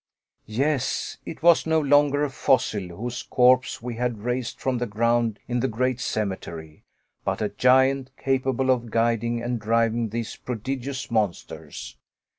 Yes it was no longer a fossil whose corpse we had raised from the ground in the great cemetery, but a giant capable of guiding and driving these prodigious monsters.